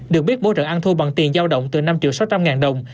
được biết mỗi trận ăn thu bằng tiền giao động từ năm triệu sáu trăm linh ngàn đồng